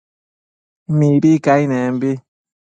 mibi cainenbi